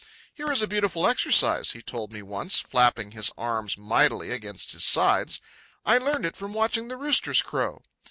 "Here is a beautiful exercise," he told me, once, flapping his arms mightily against his sides; "I learned it from watching the roosters crow."